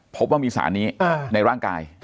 พบว่ามีสารนี้ในร่างกาย